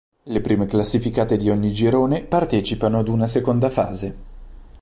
Le prime classificate di ogni girone partecipano ad una seconda fase.